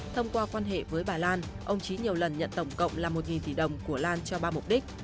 thông qua quan hệ với bà lan ông trí nhiều lần nhận tổng cộng là một tỷ đồng của lan cho ba mục đích